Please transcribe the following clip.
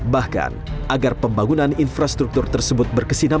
bahkan agar pembangunan infrastruktur tersebut berkesinangan